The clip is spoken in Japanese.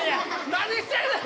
何してんねん！